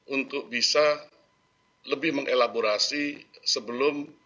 untuk bisa lebih mengelaborasi sebelum